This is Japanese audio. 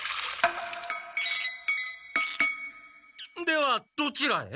ではどちらへ？